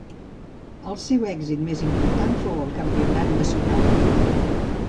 El seu èxit més important fou el Campionat nacional en ruta.